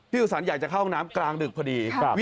สุสันอยากจะเข้าห้องน้ำกลางดึกพอดี